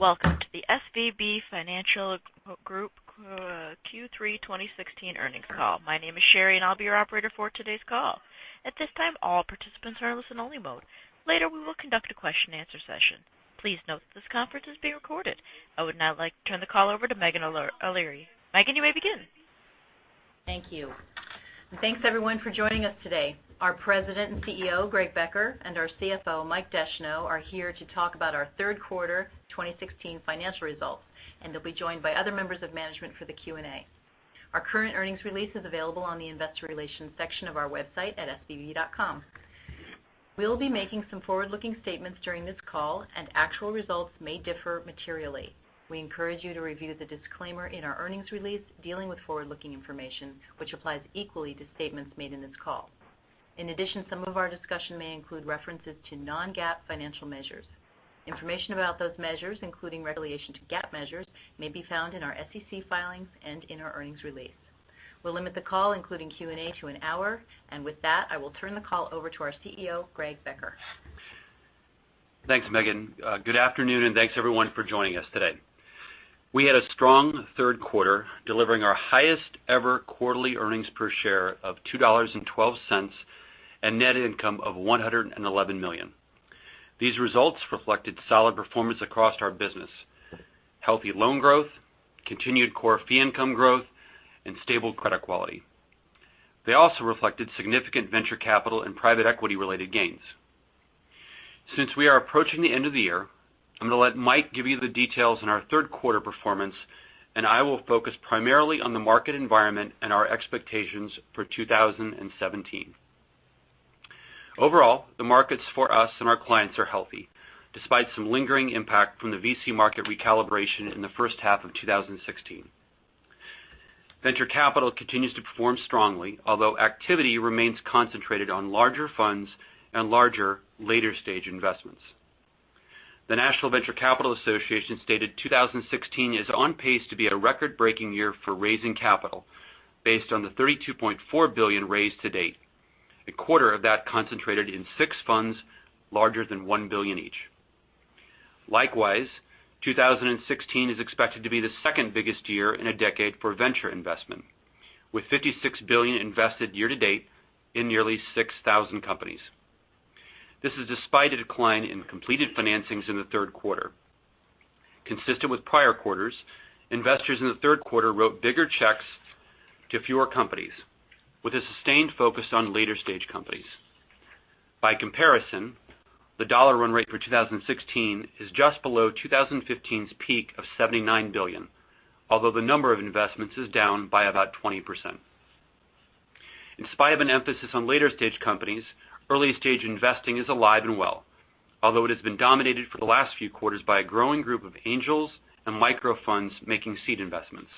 Welcome to the SVB Financial Group Q3 2016 earnings call. My name is Sherry, and I'll be your operator for today's call. At this time, all participants are in listen-only mode. Later, we will conduct a question and answer session. Please note that this conference is being recorded. I would now like to turn the call over to Meghan O'Leary. Meghan, you may begin. Thank you. Thanks everyone for joining us today. Our President and CEO, Greg Becker, and our CFO, Mike Descheneaux, are here to talk about our third quarter 2016 financial results, and they'll be joined by other members of management for the Q&A. Our current earnings release is available on the investor relations section of our website at svb.com. We'll be making some forward-looking statements during this call and actual results may differ materially. We encourage you to review the disclaimer in our earnings release dealing with forward-looking information, which applies equally to statements made in this call. In addition, some of our discussion may include references to non-GAAP financial measures. Information about those measures, including regulation to GAAP measures, may be found in our SEC filings and in our earnings release. We'll limit the call, including Q&A, to an hour. With that, I will turn the call over to our CEO, Greg Becker. Thanks, Meghan. Good afternoon, thanks everyone for joining us today. We had a strong third quarter, delivering our highest ever quarterly earnings per share of $2.12 and net income of $111 million. These results reflected solid performance across our business, healthy loan growth, continued core fee income growth, and stable credit quality. They also reflected significant venture capital and private equity-related gains. Since we are approaching the end of the year, I'm going to let Mike give you the details on our third quarter performance, and I will focus primarily on the market environment and our expectations for 2017. Overall, the markets for us and our clients are healthy, despite some lingering impact from the VC market recalibration in the first half of 2016. Venture capital continues to perform strongly, although activity remains concentrated on larger funds and larger later-stage investments. The National Venture Capital Association stated 2016 is on pace to be a record-breaking year for raising capital, based on the $32.4 billion raised to date, a quarter of that concentrated in six funds larger than $1 billion each. Likewise, 2016 is expected to be the second biggest year in a decade for venture investment, with $56 billion invested year to date in nearly 6,000 companies. This is despite a decline in completed financings in the third quarter. Consistent with prior quarters, investors in the third quarter wrote bigger checks to fewer companies, with a sustained focus on later-stage companies. By comparison, the dollar run rate for 2016 is just below 2015's peak of $79 billion, although the number of investments is down by about 20%. In spite of an emphasis on later-stage companies, early-stage investing is alive and well, although it has been dominated for the last few quarters by a growing group of angels and micro funds making seed investments.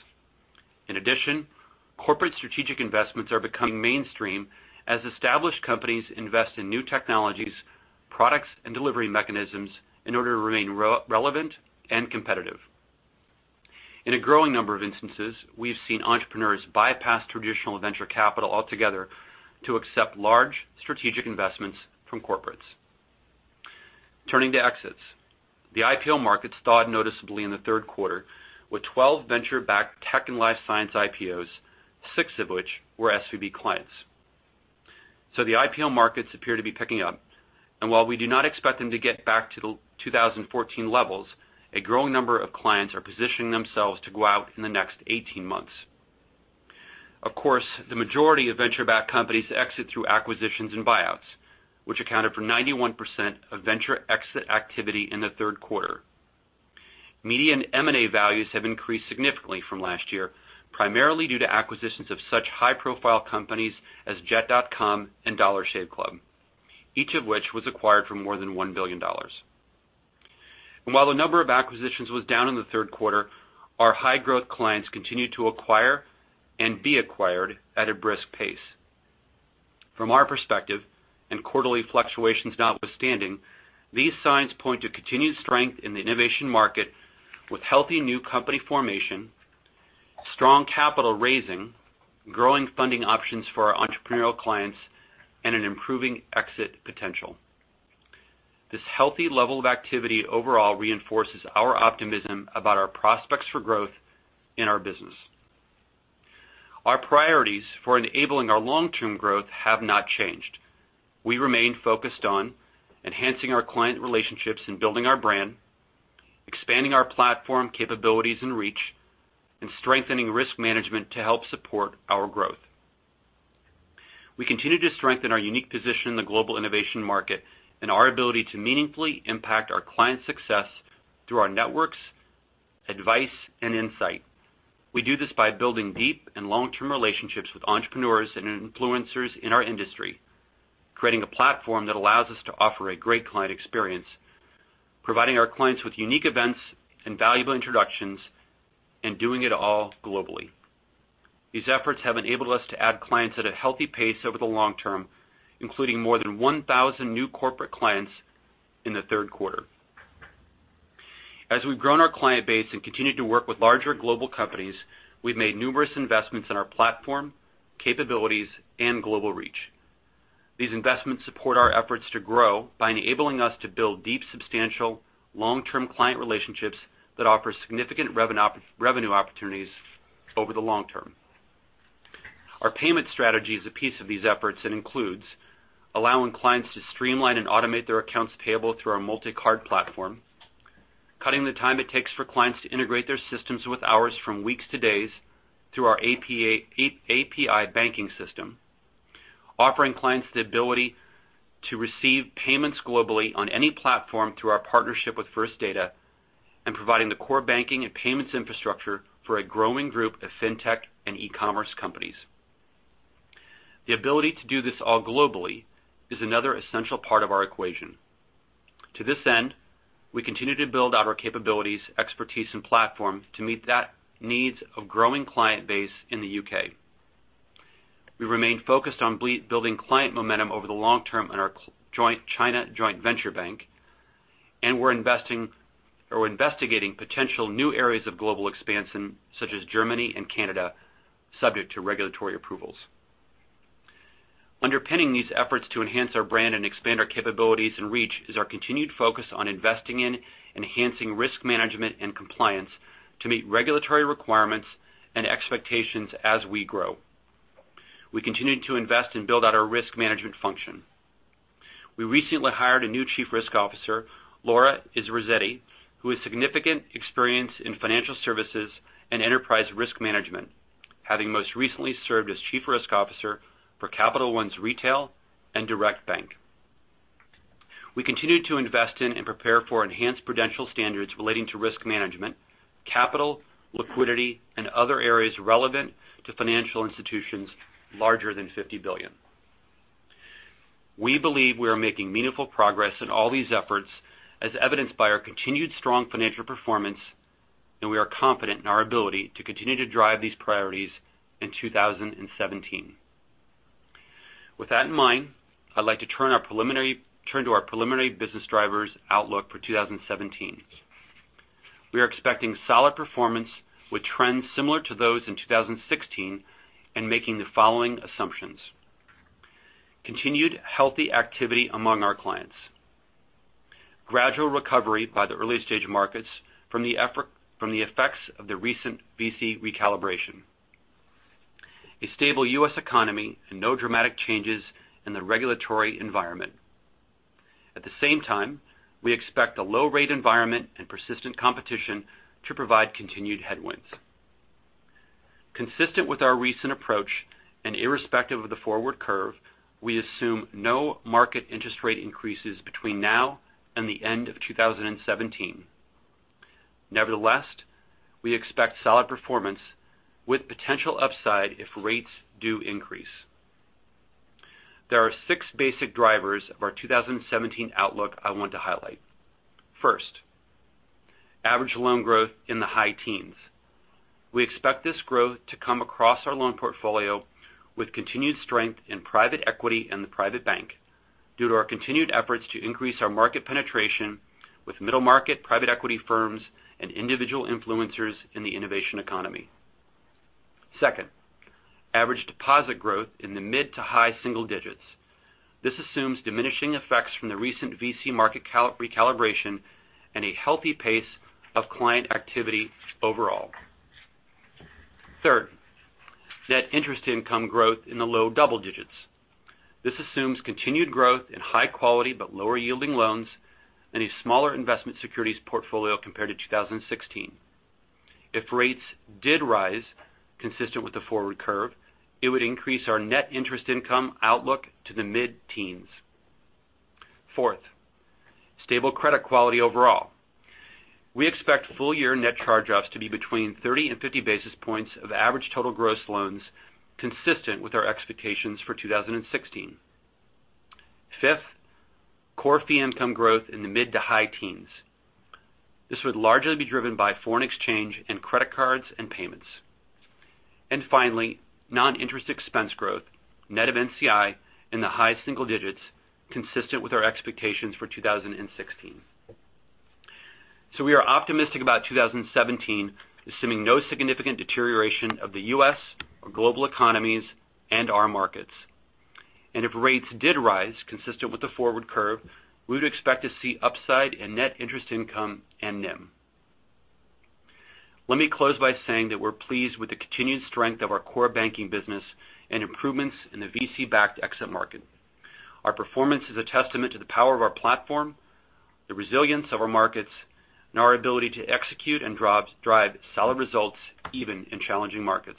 In addition, corporate strategic investments are becoming mainstream as established companies invest in new technologies, products, and delivery mechanisms in order to remain relevant and competitive. Turning to exits. The IPO market stalled noticeably in the third quarter with 12 venture-backed tech and life science IPOs, six of which were SVB clients. The IPO markets appear to be picking up, and while we do not expect them to get back to the 2014 levels, a growing number of clients are positioning themselves to go out in the next 18 months. Of course, the majority of venture-backed companies exit through acquisitions and buyouts, which accounted for 91% of venture exit activity in the third quarter. Median M&A values have increased significantly from last year, primarily due to acquisitions of such high-profile companies as Jet.com and Dollar Shave Club, each of which was acquired for more than $1 billion. While the number of acquisitions was down in the third quarter, our high-growth clients continued to acquire and be acquired at a brisk pace. From our perspective, and quarterly fluctuations notwithstanding, these signs point to continued strength in the innovation market with healthy new company formation, strong capital raising, growing funding options for our entrepreneurial clients, and an improving exit potential. This healthy level of activity overall reinforces our optimism about our prospects for growth in our business. Our priorities for enabling our long-term growth have not changed. We remain focused on enhancing our client relationships and building our brand, expanding our platform capabilities and reach, and strengthening risk management to help support our growth. We continue to strengthen our unique position in the global innovation market and our ability to meaningfully impact our clients' success through our networks, advice, and insight. We do this by building deep and long-term relationships with entrepreneurs and influencers in our industry, creating a platform that allows us to offer a great client experience, providing our clients with unique events and valuable introductions, and doing it all globally. These efforts have enabled us to add clients at a healthy pace over the long term, including more than 1,000 new corporate clients in the third quarter. As we've grown our client base and continued to work with larger global companies, we've made numerous investments in our platform, capabilities, and global reach. These investments support our efforts to grow by enabling us to build deep, substantial long-term client relationships that offer significant revenue opportunities over the long term. Our payment strategy is a piece of these efforts and includes allowing clients to streamline and automate their accounts payable through our multi-card platform, cutting the time it takes for clients to integrate their systems with ours from weeks to days through our API banking system, offering clients the ability to receive payments globally on any platform through our partnership with First Data, and providing the core banking and payments infrastructure for a growing group of fintech and e-commerce companies. The ability to do this all globally is another essential part of our equation. To this end, we continue to build out our capabilities, expertise, and platform to meet the needs of growing client base in the U.K. We remain focused on building client momentum over the long term in our joint China joint venture bank, and we're investigating potential new areas of global expansion, such as Germany and Canada, subject to regulatory approvals. Underpinning these efforts to enhance our brand and expand our capabilities and reach is our continued focus on investing in enhancing risk management and compliance to meet regulatory requirements and expectations as we grow. We continue to invest and build out our risk management function. We recently hired a new chief risk officer, Laura Izurieta, who has significant experience in financial services and enterprise risk management, having most recently served as chief risk officer for Capital One's Retail and Direct Bank. We continue to invest in and prepare for enhanced prudential standards relating to risk management, capital, liquidity, and other areas relevant to financial institutions larger than $50 billion. We believe we are making meaningful progress in all these efforts, as evidenced by our continued strong financial performance, and we are confident in our ability to continue to drive these priorities in 2017. With that in mind, I'd like to turn to our preliminary business drivers outlook for 2017. We are expecting solid performance with trends similar to those in 2016 and making the following assumptions: Continued healthy activity among our clients. Gradual recovery by the early-stage markets from the effects of the recent VC recalibration. A stable U.S. economy and no dramatic changes in the regulatory environment. At the same time, we expect a low-rate environment and persistent competition to provide continued headwinds. Consistent with our recent approach and irrespective of the forward curve, we assume no market interest rate increases between now and the end of 2017. Nevertheless, we expect solid performance with potential upside if rates do increase. There are six basic drivers of our 2017 outlook I want to highlight. First, average loan growth in the high teens. We expect this growth to come across our loan portfolio with continued strength in private equity and the private bank due to our continued efforts to increase our market penetration with middle-market private equity firms and individual influencers in the innovation economy. Second, average deposit growth in the mid to high single digits. This assumes diminishing effects from the recent VC market recalibration and a healthy pace of client activity overall. Third, net interest income growth in the low double digits. This assumes continued growth in high quality but lower yielding loans and a smaller investment securities portfolio compared to 2016. If rates did rise consistent with the forward curve, it would increase our net interest income outlook to the mid-teens. Fourth, stable credit quality overall. We expect full-year net charge-offs to be between 30 and 50 basis points of average total gross loans, consistent with our expectations for 2016. Fifth, core fee income growth in the mid to high teens. This would largely be driven by foreign exchange and credit cards and payments. Finally, non-interest expense growth, net of NCI, in the high single digits, consistent with our expectations for 2016. We are optimistic about 2017, assuming no significant deterioration of the U.S. or global economies and our markets. If rates did rise consistent with the forward curve, we would expect to see upside in net interest income and NIM. Let me close by saying that we're pleased with the continued strength of our core banking business and improvements in the VC-backed exit market. Our performance is a testament to the power of our platform, the resilience of our markets, and our ability to execute and drive solid results even in challenging markets.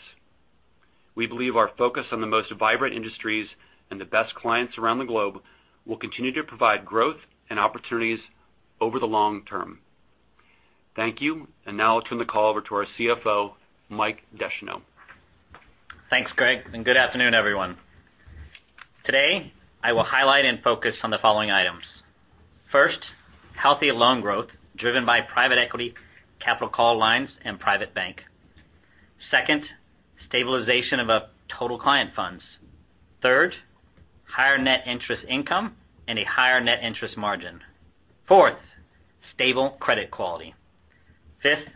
We believe our focus on the most vibrant industries and the best clients around the globe will continue to provide growth and opportunities over the long term. Thank you. Now I'll turn the call over to our CFO, Mike Descheneaux. Thanks, Greg, good afternoon, everyone. Today, I will highlight and focus on the following items. First, healthy loan growth driven by private equity, capital call lines, and private bank. Second, stabilization of total client funds. Third, higher net interest income and a higher net interest margin. Fourth, stable credit quality. Fifth,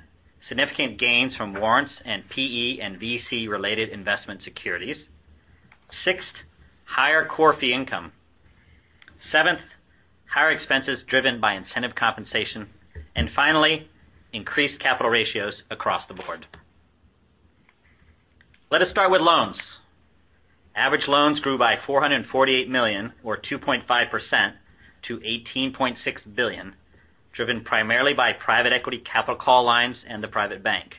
significant gains from warrants and PE and VC related investment securities. Sixth, higher core fee income. Seventh, higher expenses driven by incentive compensation. Finally, increased capital ratios across the board. Let us start with loans. Average loans grew by $448 million or 2.5% to $18.6 billion, driven primarily by private equity capital call lines and the private bank.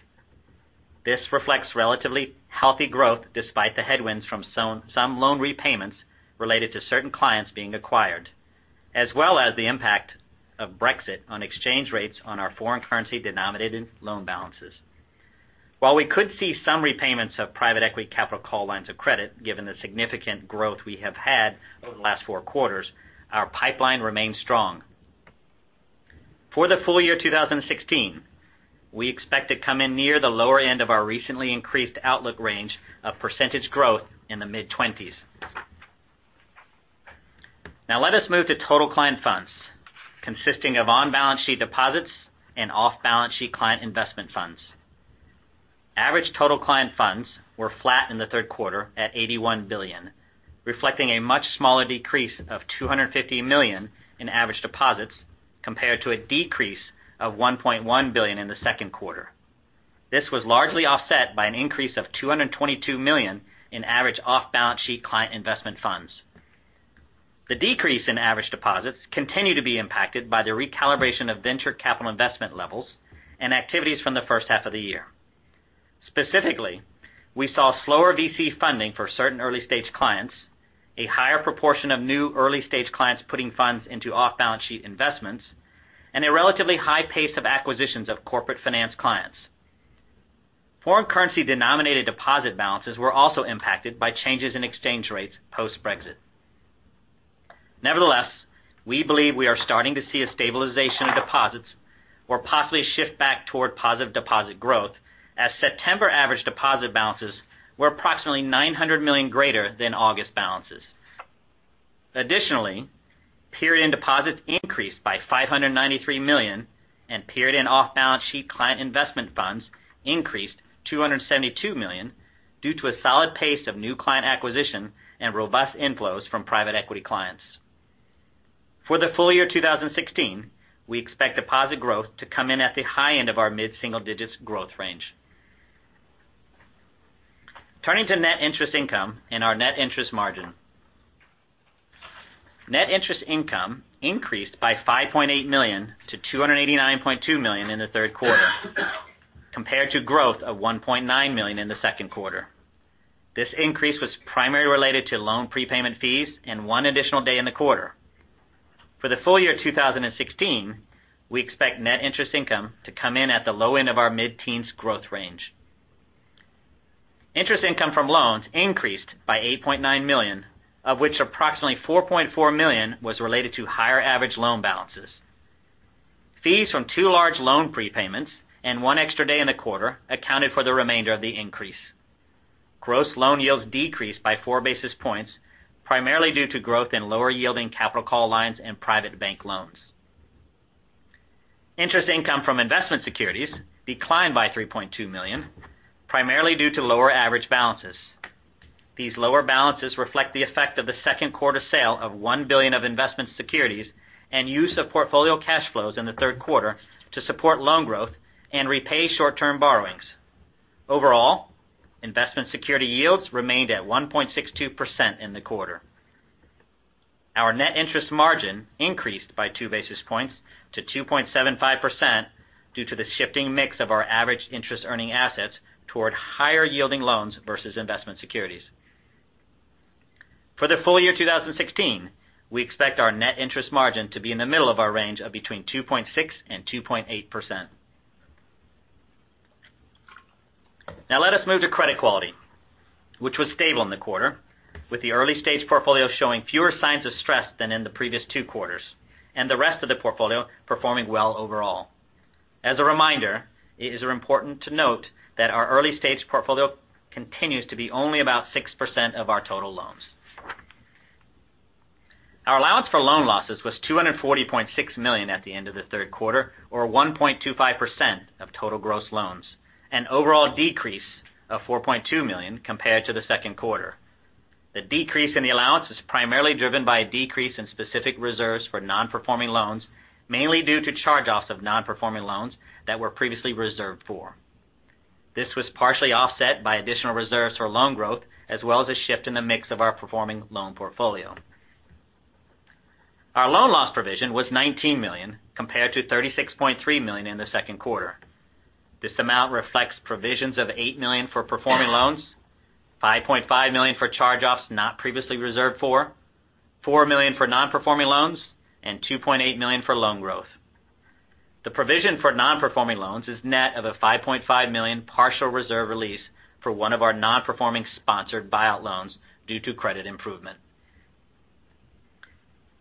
This reflects relatively healthy growth despite the headwinds from some loan repayments related to certain clients being acquired, as well as the impact of Brexit on exchange rates on our foreign currency denominated loan balances. While we could see some repayments of private equity capital call lines of credit, given the significant growth we have had over the last four quarters, our pipeline remains strong. For the full year 2016, we expect to come in near the lower end of our recently increased outlook range of percentage growth in the mid-20s. Now let us move to total client funds consisting of on-balance sheet deposits and off-balance sheet client investment funds. Average total client funds were flat in the third quarter at $81 billion, reflecting a much smaller decrease of $250 million in average deposits compared to a decrease of $1.1 billion in the second quarter. This was largely offset by an increase of $222 million in average off-balance sheet client investment funds. The decrease in average deposits continue to be impacted by the recalibration of venture capital investment levels and activities from the first half of the year. Specifically, we saw slower VC funding for certain early stage clients, a higher proportion of new early stage clients putting funds into off-balance sheet investments, and a relatively high pace of acquisitions of corporate finance clients. Foreign currency denominated deposit balances were also impacted by changes in exchange rates post-Brexit. Nevertheless, we believe we are starting to see a stabilization of deposits or possibly a shift back toward positive deposit growth, as September average deposit balances were approximately $900 million greater than August balances. Additionally, period end deposits increased by $593 million, and period end off-balance sheet client investment funds increased $272 million due to a solid pace of new client acquisition and robust inflows from private equity clients. For the full year 2016, we expect deposit growth to come in at the high end of our mid-single digits growth range. Turning to net interest income and our net interest margin. Net interest income increased by $5.8 million to $289.2 million in the third quarter compared to growth of $1.9 million in the second quarter. This increase was primarily related to loan prepayment fees and one additional day in the quarter. For the full year 2016, we expect net interest income to come in at the low end of our mid-teens growth range. Interest income from loans increased by $8.9 million, of which approximately $4.4 million was related to higher average loan balances. Fees from two large loan prepayments and one extra day in the quarter accounted for the remainder of the increase. Gross loan yields decreased by four basis points, primarily due to growth in lower yielding capital call lines and private bank loans. Interest income from investment securities declined by $3.2 million, primarily due to lower average balances. These lower balances reflect the effect of the second quarter sale of $1 billion of investment securities and use of portfolio cash flows in the third quarter to support loan growth and repay short-term borrowings. Overall, investment security yields remained at 1.62% in the quarter. Our net interest margin increased by two basis points to 2.75% due to the shifting mix of our average interest earning assets toward higher yielding loans versus investment securities. For the full year 2016, we expect our net interest margin to be in the middle of our range of between 2.6% and 2.8%. Now let us move to credit quality, which was stable in the quarter with the early stage portfolio showing fewer signs of stress than in the previous two quarters, and the rest of the portfolio performing well overall. As a reminder, it is important to note that our early stage portfolio continues to be only about 6% of our total loans. Our allowance for loan losses was $240.6 million at the end of the third quarter, or 1.25% of total gross loans, an overall decrease of $4.2 million compared to the second quarter. The decrease in the allowance is primarily driven by a decrease in specific reserves for non-performing loans, mainly due to charge-offs of non-performing loans that were previously reserved for. This was partially offset by additional reserves for loan growth, as well as a shift in the mix of our performing loan portfolio. Our loan loss provision was $19 million, compared to $36.3 million in the second quarter. This amount reflects provisions of $8 million for performing loans, $5.5 million for charge-offs not previously reserved for, $4 million for nonperforming loans, and $2.8 million for loan growth. The provision for nonperforming loans is net of a $5.5 million partial reserve release for one of our nonperforming sponsored buyout loans due to credit improvement.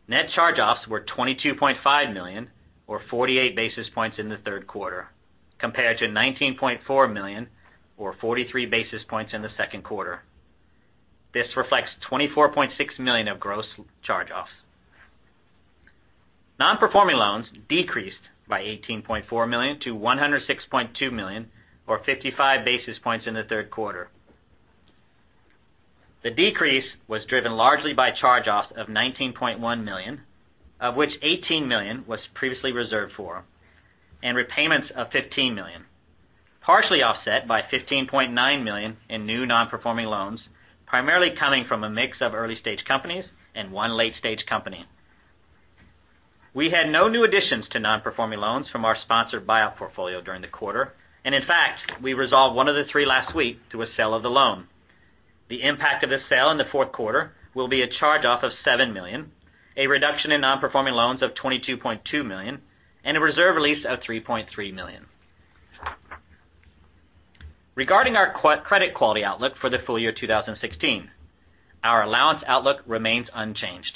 Net charge-offs were $22.5 million, or 48 basis points in the third quarter, compared to $19.4 million or 43 basis points in the second quarter. This reflects $24.6 million of gross charge-offs. Nonperforming loans decreased by $18.4 million to $106.2 million, or 55 basis points in the third quarter. The decrease was driven largely by charge-offs of $19.1 million, of which $18 million was previously reserved for, and repayments of $15 million, partially offset by $15.9 million in new nonperforming loans, primarily coming from a mix of early-stage companies and one late-stage company. We had no new additions to nonperforming loans from our sponsored buyout portfolio during the quarter, and in fact, we resolved one of the three last week through a sale of the loan. The impact of this sale in the fourth quarter will be a charge-off of $7 million, a reduction in nonperforming loans of $22.2 million, and a reserve release of $3.3 million. Regarding our credit quality outlook for the full year 2016, our allowance outlook remains unchanged.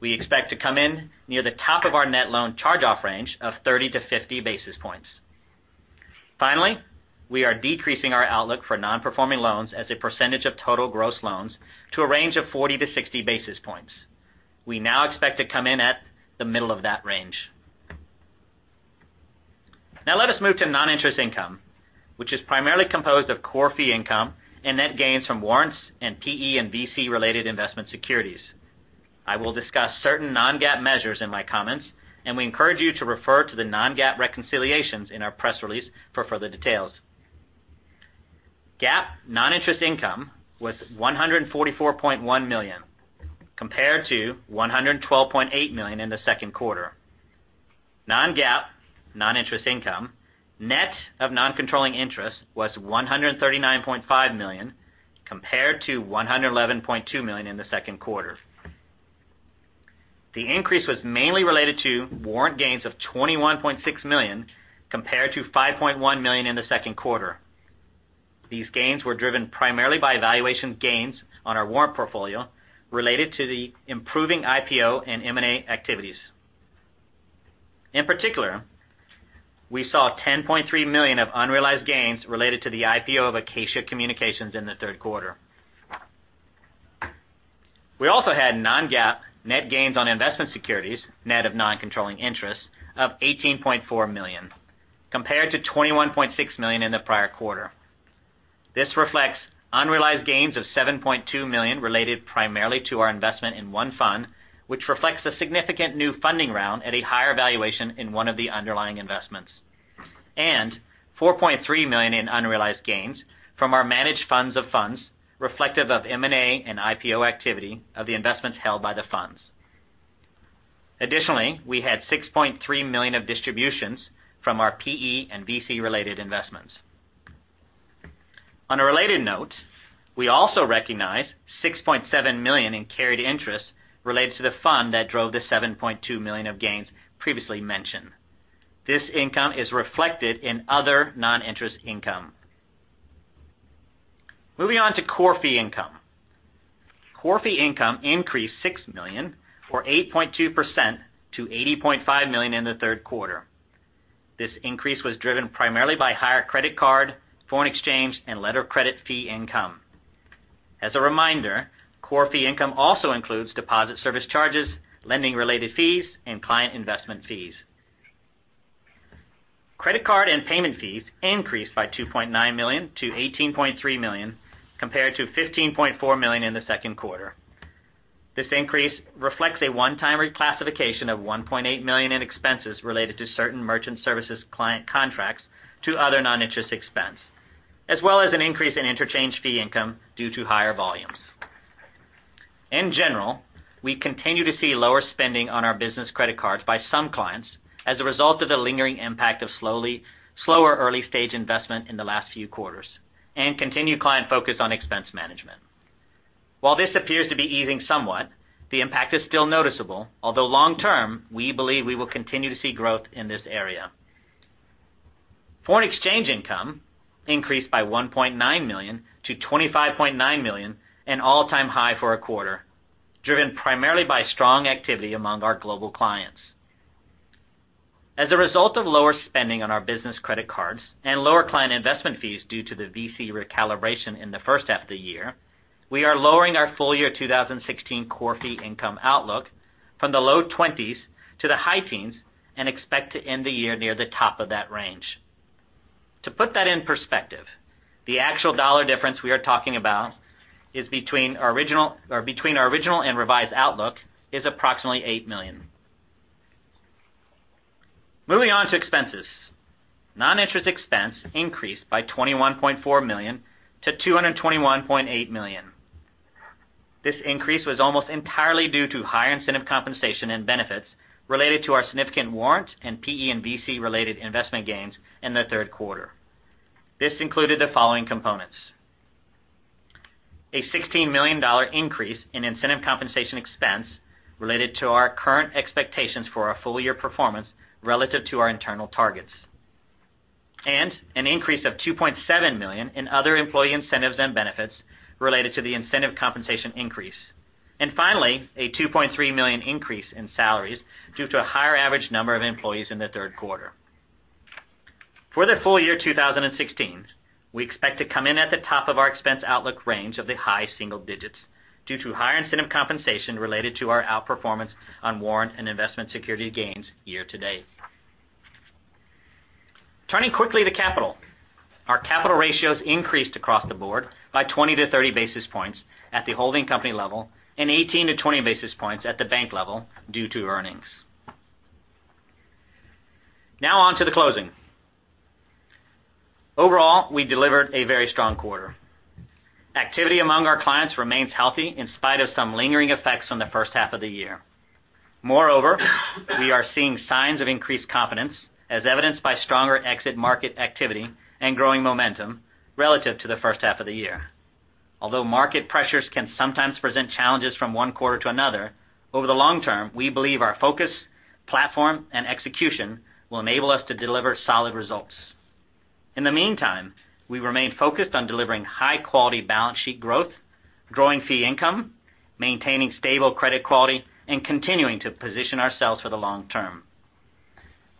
We expect to come in near the top of our net loan charge-off range of 30-50 basis points. We are decreasing our outlook for nonperforming loans as a percentage of total gross loans to a range of 40-60 basis points. We now expect to come in at the middle of that range. Let us move to non-interest income, which is primarily composed of core fee income and net gains from warrants and PE and VC-related investment securities. I will discuss certain non-GAAP measures in my comments, and we encourage you to refer to the non-GAAP reconciliations in our press release for further details. GAAP non-interest income was $144.1 million, compared to $112.8 million in the second quarter. Non-GAAP non-interest income, net of non-controlling interest, was $139.5 million, compared to $111.2 million in the second quarter. The increase was mainly related to warrant gains of $21.6 million, compared to $5.1 million in the second quarter. These gains were driven primarily by valuation gains on our warrant portfolio related to the improving IPO and M&A activities. We saw $10.3 million of unrealized gains related to the IPO of Acacia Communications in the third quarter. We also had non-GAAP net gains on investment securities, net of non-controlling interests, of $18.4 million, compared to $21.6 million in the prior quarter. This reflects unrealized gains of $7.2 million related primarily to our investment in one fund, which reflects a significant new funding round at a higher valuation in one of the underlying investments, and $4.3 million in unrealized gains from our managed funds of funds reflective of M&A and IPO activity of the investments held by the funds. We had $6.3 million of distributions from our PE and VC-related investments. On a related note, we also recognized $6.7 million in carried interest related to the fund that drove the $7.2 million of gains previously mentioned. This income is reflected in other non-interest income. Moving on to core fee income. Core fee income increased $6 million, or 8.2%, to $80.5 million in the third quarter. This increase was driven primarily by higher credit card, foreign exchange, and letter of credit fee income. As a reminder, core fee income also includes deposit service charges, lending-related fees, and client investment fees. Credit card and payment fees increased by $2.9 million to $18.3 million, compared to $15.4 million in the second quarter. This increase reflects a one-time reclassification of $1.8 million in expenses related to certain merchant services client contracts to other non-interest expense, as well as an increase in interchange fee income due to higher volumes. In general, we continue to see lower spending on our business credit cards by some clients as a result of the lingering impact of slower early-stage investment in the last few quarters and continued client focus on expense management. While this appears to be easing somewhat, the impact is still noticeable, although long term, we believe we will continue to see growth in this area. Foreign exchange income increased by $1.9 million to $25.9 million, an all-time high for a quarter, driven primarily by strong activity among our global clients. As a result of lower spending on our business credit cards and lower client investment fees due to the VC recalibration in the first half of the year, we are lowering our full year 2016 core fee income outlook from the low 20s to the high teens and expect to end the year near the top of that range. To put that in perspective, the actual dollar difference we are talking about between our original and revised outlook is approximately $8 million. Moving on to expenses. Non-interest expense increased by $21.4 million to $221.8 million. This increase was almost entirely due to higher incentive compensation and benefits related to our significant warrants and PE and VC-related investment gains in the third quarter. This included the following components: A $16 million increase in incentive compensation expense related to our current expectations for our full-year performance relative to our internal targets, an increase of $2.7 million in other employee incentives and benefits related to the incentive compensation increase. Finally, a $2.3 million increase in salaries due to a higher average number of employees in the third quarter. For the full year 2016, we expect to come in at the top of our expense outlook range of the high single digits due to higher incentive compensation related to our outperformance on warrant and investment security gains year to date. Turning quickly to capital. Our capital ratios increased across the board by 20 to 30 basis points at the holding company level and 18 to 20 basis points at the bank level due to earnings. Now on to the closing. Overall, we delivered a very strong quarter. Activity among our clients remains healthy in spite of some lingering effects from the first half of the year. Moreover, we are seeing signs of increased confidence as evidenced by stronger exit market activity and growing momentum relative to the first half of the year. Although market pressures can sometimes present challenges from one quarter to another, over the long term, we believe our focus, platform, and execution will enable us to deliver solid results. In the meantime, we remain focused on delivering high-quality balance sheet growth, growing fee income, maintaining stable credit quality, and continuing to position ourselves for the long term.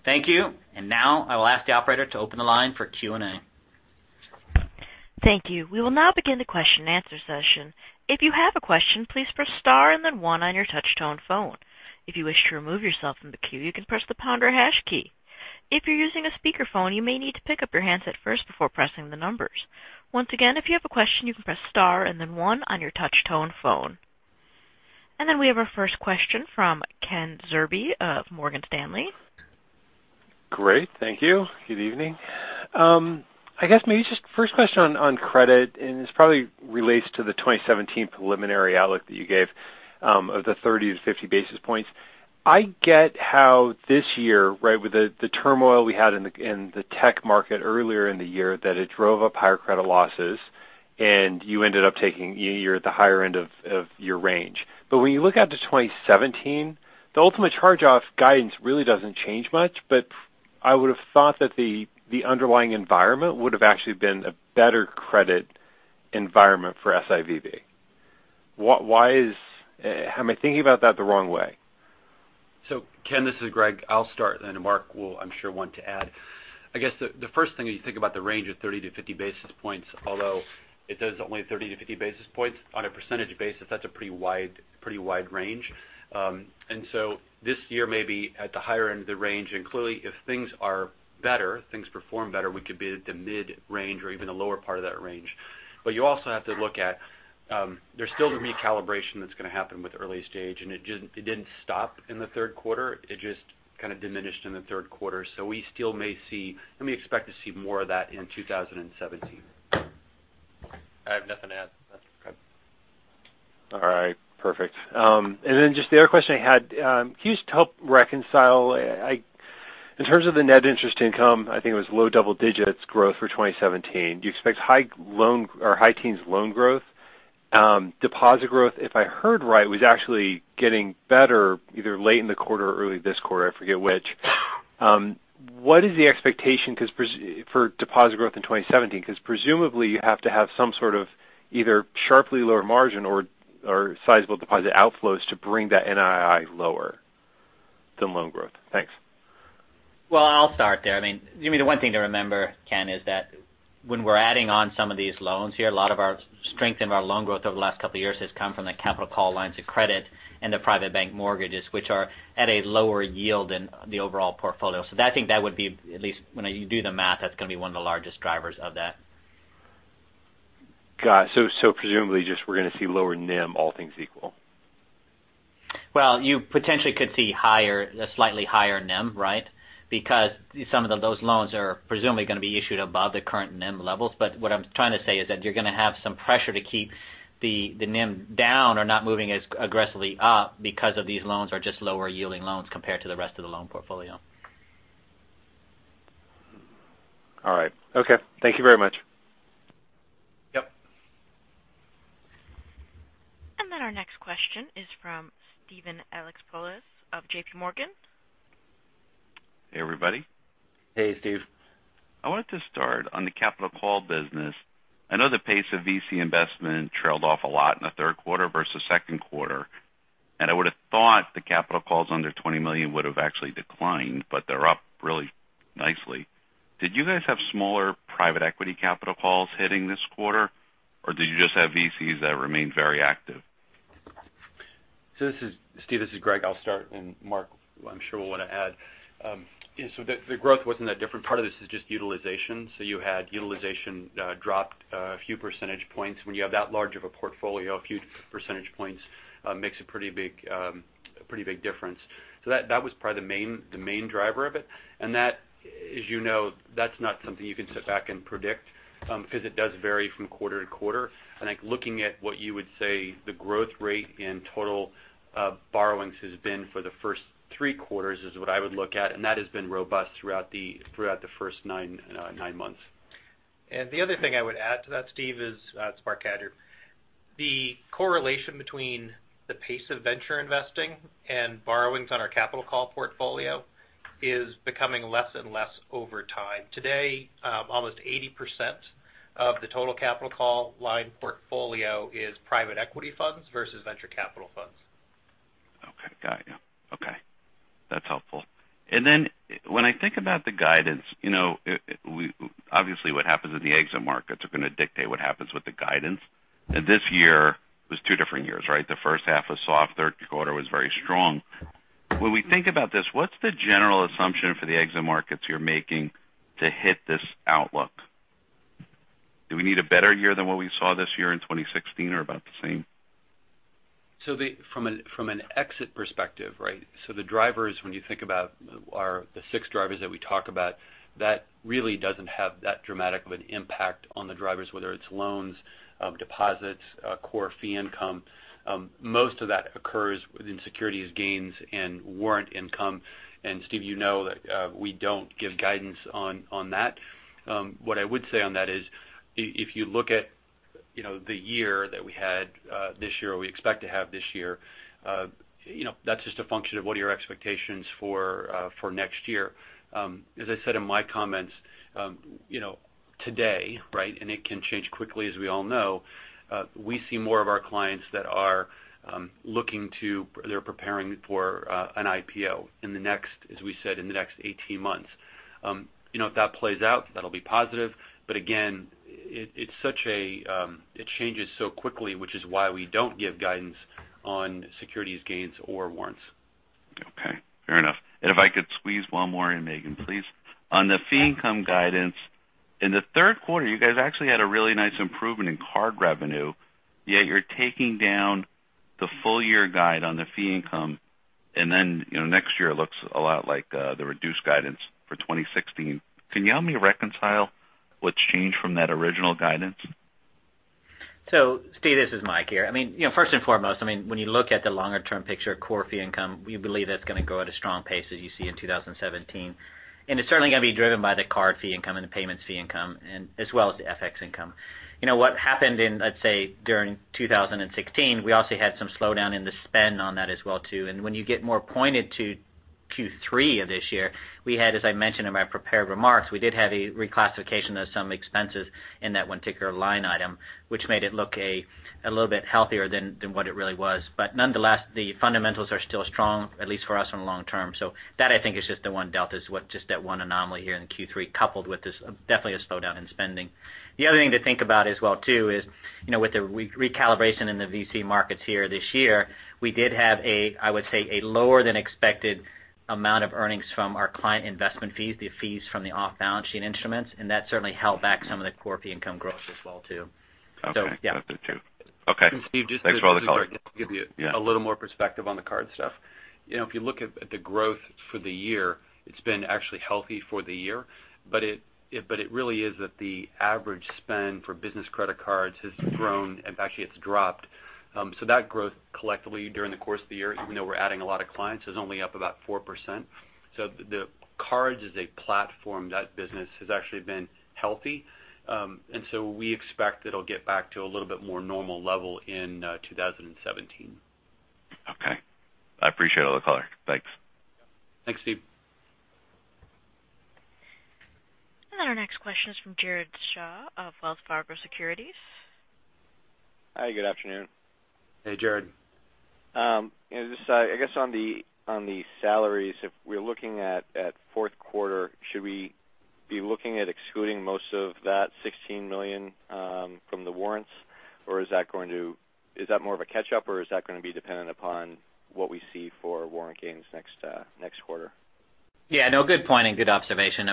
Thank you. Now I will ask the operator to open the line for Q&A. Thank you. We will now begin the question and answer session. If you have a question, please press star and then one on your touch-tone phone. If you wish to remove yourself from the queue, you can press the pound or hash key. If you're using a speakerphone, you may need to pick up your handset first before pressing the numbers. Once again, if you have a question, you can press star and then one on your touch-tone phone. Then we have our first question from Ken Zerbe of Morgan Stanley. Great. Thank you. Good evening. I guess maybe just first question on credit, and this probably relates to the 2017 preliminary outlook that you gave of the 30-50 basis points. I get how this year, with the turmoil we had in the tech market earlier in the year, that it drove up higher credit losses, and you ended up taking you're at the higher end of your range. When you look out to 2017, the ultimate charge-off guidance really doesn't change much, but I would've thought that the underlying environment would've actually been a better credit environment for SIVB. Am I thinking about that the wrong way? Ken, this is Greg. I'll start, and then Marc will, I'm sure, want to add. I guess the first thing is you think about the range of 30-50 basis points, although it says only 30-50 basis points, on a percentage basis, that's a pretty wide range. This year may be at the higher end of the range, and clearly if things are better, things perform better, we could be at the mid-range or even the lower part of that range. You also have to look at, there's still the recalibration that's going to happen with early stage, and it didn't stop in the third quarter. It just kind of diminished in the third quarter. We still may see, and we expect to see more of that in 2017. I have nothing to add. All right. Perfect. Just the other question I had, can you just help reconcile, in terms of the net interest income, I think it was low double-digits growth for 2017. Do you expect high-teens loan growth? Deposit growth, if I heard right, was actually getting better either late in the quarter or early this quarter, I forget which. What is the expectation for deposit growth in 2017? Because presumably you have to have some sort of either sharply lower margin or sizable deposit outflows to bring that NIM lower than loan growth. Thanks. Well, I'll start there. The one thing to remember, Ken, is that when we're adding on some of these loans here, a lot of our strength in our loan growth over the last couple of years has come from the capital call lines of credit and the private bank mortgages, which are at a lower yield than the overall portfolio. I think that would be, at least when you do the math, that's going to be one of the largest drivers of that. Got it. Presumably just we're going to see lower NIM, all things equal. You potentially could see a slightly higher NIM, right? Some of those loans are presumably going to be issued above the current NIM levels. What I'm trying to say is that you're going to have some pressure to keep the NIM down or not moving as aggressively up because of these loans are just lower yielding loans compared to the rest of the loan portfolio. All right. Okay. Thank you very much. Yep. Our next question is from Steven Alexopoulos of JPMorgan. Hey, everybody. Hey, Steve. I wanted to start on the capital call business. I know the pace of VC investment trailed off a lot in the third quarter versus second quarter, and I would've thought the capital calls under $20 million would have actually declined, but they're up really nicely. Did you guys have smaller private equity capital calls hitting this quarter, or do you just have VCs that remain very active? Steve, this is Greg. I'll start, and Marc, I'm sure, will want to add. The growth wasn't that different. Part of this is just utilization. You had utilization dropped a few percentage points. When you have that large of a portfolio, a few percentage points makes a pretty big difference. That was probably the main driver of it. That, as you know, that's not something you can sit back and predict because it does vary from quarter to quarter. I think looking at what you would say the growth rate in total borrowings has been for the first three quarters is what I would look at, and that has been robust throughout the first nine months. The other thing I would add to that, Steve, it's Marc Cadieux. The correlation between the pace of venture investing and borrowings on our capital call portfolio is becoming less and less over time. Today, almost 80% of the total capital call line portfolio is private equity funds versus venture capital funds. Okay. That's helpful. When I think about the guidance, obviously what happens in the exit markets are going to dictate what happens with the guidance. This year was two different years, right? The first half was soft, third quarter was very strong. When we think about this, what's the general assumption for the exit markets you're making to hit this outlook? Do we need a better year than what we saw this year in 2016 or about the same? From an exit perspective, right? The drivers, when you think about the six drivers that we talk about, that really doesn't have that dramatic of an impact on the drivers, whether it's loans, deposits, core fee income. Most of that occurs within securities gains and warrant income. Steve, you know that we don't give guidance on that. What I would say on that is, if you look at the year that we had this year, or we expect to have this year, that's just a function of what are your expectations for next year. As I said in my comments, today, right, and it can change quickly as we all know, we see more of our clients that are preparing for an IPO in the next, as we said, in the next 18 months. If that plays out, that'll be positive. Again, it changes so quickly, which is why we don't give guidance on securities gains or warrants. Okay. Fair enough. If I could squeeze one more in, Meghan, please. On the fee income guidance, in the third quarter, you guys actually had a really nice improvement in card revenue, yet you're taking down the full year guide on the fee income, then next year looks a lot like the reduced guidance for 2016. Can you help me reconcile what's changed from that original guidance? Steve, this is Mike here. First and foremost, when you look at the longer term picture of core fee income, we believe that's going to grow at a strong pace as you see in 2017. It's certainly going to be driven by the card fee income and the payments fee income, as well as the FX income. What happened in, let's say, during 2016, we also had some slowdown in the spend on that as well too. When you get more pointed to Q3 of this year, we had, as I mentioned in my prepared remarks, we did have a reclassification of some expenses in that one particular line item, which made it look a little bit healthier than what it really was. Nonetheless, the fundamentals are still strong, at least for us in the long term. That I think is just the one delta, is what just that one anomaly here in Q3, coupled with this definitely a slowdown in spending. The other thing to think about as well too is, with the recalibration in the VC markets here this year, we did have a, I would say, a lower than expected amount of earnings from our client investment fees, the fees from the off-balance sheet instruments, that certainly held back some of the core fee income growth as well too. Okay. Got it, the two. Okay. Thanks for all the color. Steve, just to give you a little more perspective on the card stuff. If you look at the growth for the year, it's been actually healthy for the year, but it really is that the average spend for business credit cards has grown, actually it's dropped. That growth collectively during the course of the year, even though we're adding a lot of clients, is only up about 4%. The cards is a platform. That business has actually been healthy. We expect it'll get back to a little bit more normal level in 2017. Okay. I appreciate all the color. Thanks. Thanks, Steve. Our next question is from Jared Shaw of Wells Fargo Securities. Hi, good afternoon. Hey, Jared. I guess on the salaries, if we're looking at fourth quarter, should we be looking at excluding most of that $16 million from the warrants? Or is that more of a catch-up, or is that going to be dependent upon what we see for warrant gains next quarter? Yeah, no, good point and good observation.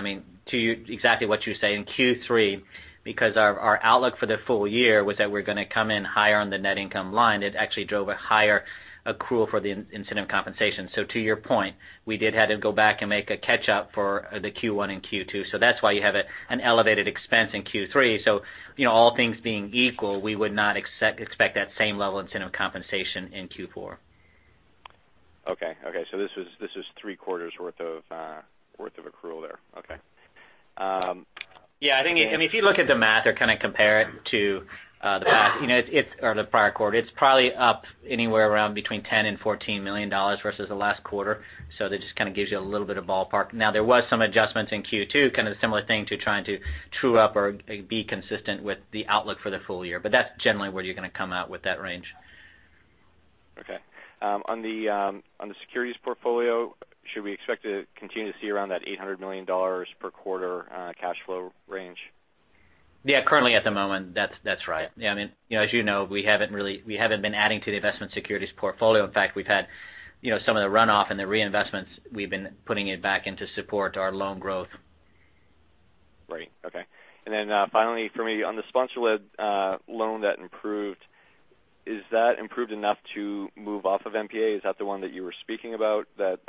To exactly what you say. In Q3, because our outlook for the full year was that we're going to come in higher on the net income line. It actually drove a higher accrual for the incentive compensation. To your point, we did have to go back and make a catch-up for the Q1 and Q2. That's why you have an elevated expense in Q3. All things being equal, we would not expect that same level incentive compensation in Q4. Okay. This is three quarters worth of accrual there. Okay. I think if you look at the math or kind of compare it to the past or the prior quarter, it's probably up anywhere around between $10 million and $14 million versus the last quarter. That just kind of gives you a little bit of ballpark. There was some adjustments in Q2, kind of the similar thing to trying to true up or be consistent with the outlook for the full year. That's generally where you're going to come out with that range. Okay. On the securities portfolio, should we expect to continue to see around that $800 million per quarter cash flow range? Yeah, currently at the moment, that's right. As you know, we haven't been adding to the investment securities portfolio. In fact, we've had some of the runoff and the reinvestments, we've been putting it back in to support our loan growth. Right. Okay. Finally for me, on the sponsor-led loan that improved, is that improved enough to move off of NPA? Is that the one that you were speaking about that